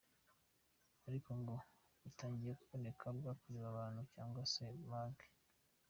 Ariko ngo butangiye kuboneka bwakorewe abantu cyangwa se za banki.